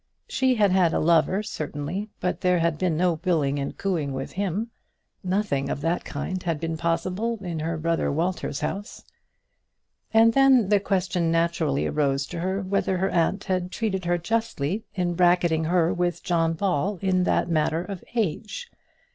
She had had a lover, certainly, but there had been no billing and cooing with him. Nothing of that kind had been possible in her brother Walter's house. And then the question naturally arose to her whether her aunt had treated her justly in bracketing her with John Ball in that matter of age.